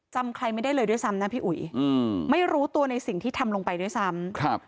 จำใครไม่ได้เลยด้วยซ้ำนะพี่อุ๋ยอืมไม่รู้ตัวในสิ่งที่ทำลงไปด้วยซ้ำครับ